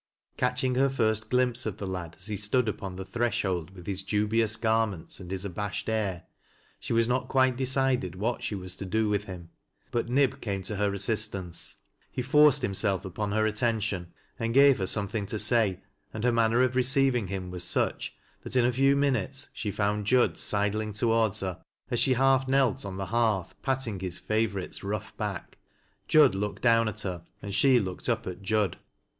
Catching her first glimpse of the lad as he stood upon the threshold with his dubious garments and his abasJred air, she was not quite decided what she was to do with him. But Nib came to her assistance. He forced Jiira Kilf upon lier attention and ga^e her something to say, and 88 THAT LASS Q LOWRIE'S. lier manne. of receiving him was stich, that in a few minutes she found Jud sidling toward her, as she hall knelt on the hearth patting his favorite's rough back. Jud looked down at her, and she looked up at Jud.